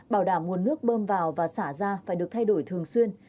bảo đảm nguồn nước bơm vào và xả ra phải được thay đổi thường xuyên